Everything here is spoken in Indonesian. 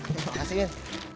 terima kasih min